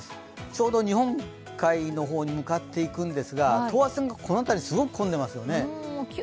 ちょうど日本海の方に向かっていくんですが等圧線がこの辺り、すごくこんでいますよね。